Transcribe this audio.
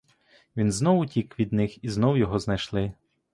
Він знов утік від них, і знов його знайшли.